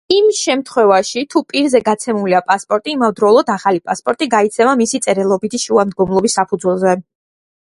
იმ შემთხვევაში, თუ პირზე გაცემულია პასპორტი, იმავდროულად ახალი პასპორტი გაიცემა მისი წერილობითი შუამდგომლობის საფუძველზე.